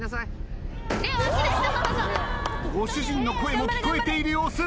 ご主人の声も聞こえている様子。